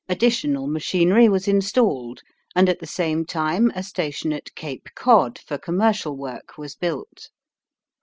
Additional machinery was installed and at the same time a station at Cape Cod for commercial work was built.